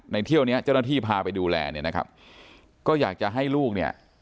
เที่ยวเนี้ยเจ้าหน้าที่พาไปดูแลเนี่ยนะครับก็อยากจะให้ลูกเนี่ย